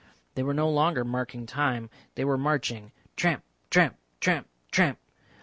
They were no longer marking time, they were marching; tramp, tramp, tramp, tramp.